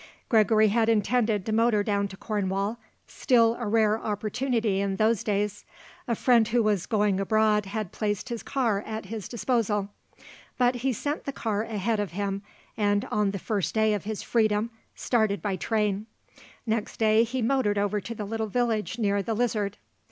Gregory had intended to motor down to Cornwall, still a rare opportunity in those days; a friend who was going abroad had placed his car at his disposal. But he sent the car ahead of him and, on the first day of his freedom, started by train. Next day he motored over to the little village near the Lizard.